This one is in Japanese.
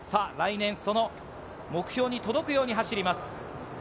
来年、その目標に届くように走ります。